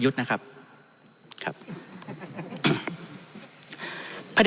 ท่านประธานครับนี่คือสิ่งที่สุดท้ายของท่านครับ